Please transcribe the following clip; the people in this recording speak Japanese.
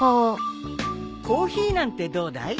コーヒーなんてどうだい？